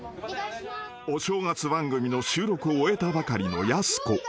［お正月番組の収録を終えたばかりのやす子］